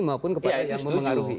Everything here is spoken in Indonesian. maupun kepada yang mempengaruhi